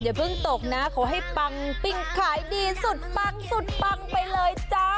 อย่าเพิ่งตกนะขอให้ปังปิ้งขายดีสุดปังสุดปังไปเลยจ้า